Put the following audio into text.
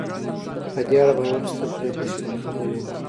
په دې اړه به وروسته پرې بشپړې خبرې وکړو.